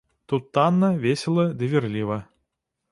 Тут танна, весела ды вірліва.